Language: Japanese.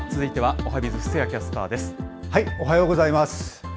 おはようございます。